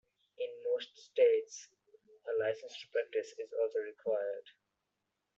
In most states, a license to practice is also required.